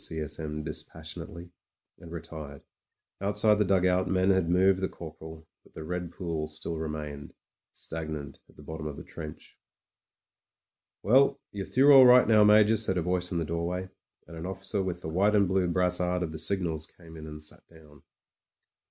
S. M. dispassionately, and re tired. Outside the dugout men had moved the cor poral; but the red pools still remained — stagnant at the bottom of the trench. ... "Well, you're through all right now. Major," said a voice in the doorway, and an officer with the white and blue brassard of the signals came in and sat down.